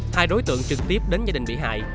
hai đối tượng trực tiếp đến gia đình bị hại